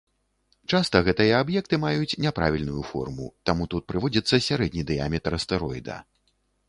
Часта гэтыя аб'екты маюць няправільную форму, таму тут прыводзіцца сярэдні дыяметр астэроіда.